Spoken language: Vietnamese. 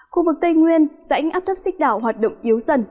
khu vực tây nguyên dãy áp thấp xích đảo hoạt động yếu dần